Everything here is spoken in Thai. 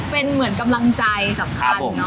เป็นเหมือนกำลังใจสำคัญเนาะ